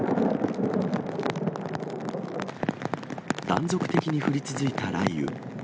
断続的に降り続いた雷雨。